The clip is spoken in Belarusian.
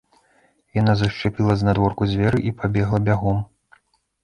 Яна зашчапіла знадворку дзверы і пабегла бягом.